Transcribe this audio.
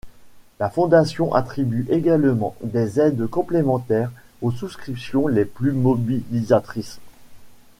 La fondation attribue également des aides complémentaires aux souscriptions les plus mobilisatrices.